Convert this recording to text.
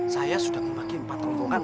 saya sudah membagi empat rombongan